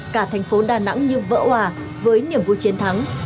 cả thành phố đà nẵng như vỡ hòa với niềm vui chiến thắng